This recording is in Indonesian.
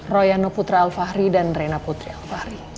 royano putra alfahri dan reina putri alfahri